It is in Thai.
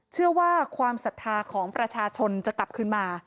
เชื่อว่าความศรัทธาของประชาชนจะกลับขึ้นมา